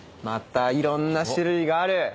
またいろんな種類がある。